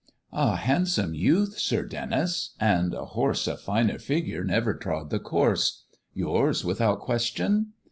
"A handsome youth, Sir Denys; and a horse Of finer figure never trod the course, Yours, without question?"